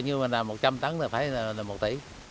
nhưng mà là một trăm linh tấn là phải là một tỷ